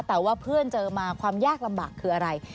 แต่ว่าเพื่อนเจอมาความยากลำบากคืออะไร